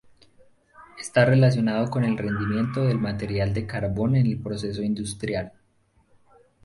Está relacionado con el rendimiento del material de carbón en el proceso industrial.